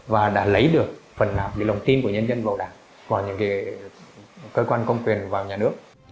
và đã lấy được phần hạp lý lòng tin của nhân dân bầu đảng và những cơ quan công quyền vào nhà nước